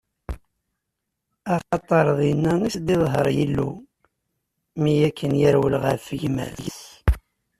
Axaṭer dinna i s-d-iḍher Yillu, mi akken yerwel ɣef gma-s.